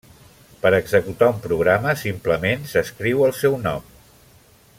Per executar un programa simplement s'escriu el seu nom.